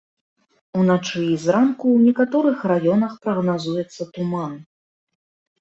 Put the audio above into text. Уначы і зранку ў некаторых раёнах прагназуецца туман.